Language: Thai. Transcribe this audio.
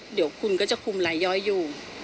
เดี๋ยวคุณก็จะคุมรายย่อยอยู่